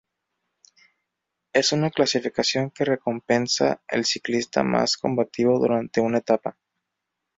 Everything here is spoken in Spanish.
Es una clasificación que recompensa el ciclista más combativo durante una etapa.